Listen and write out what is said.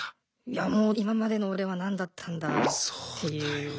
いやもう今までの俺は何だったんだっていう。